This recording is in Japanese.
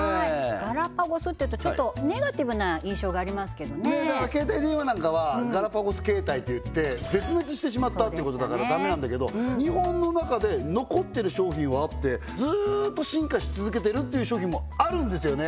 ガラパゴスっていうとちょっとネガティブな印象がありますけどねだから携帯電話なんかはガラパゴス携帯っていって絶滅してしまったってことだからダメなんだけど日本の中で残ってる商品はあってずっと進化し続けてるっていう商品もあるんですよね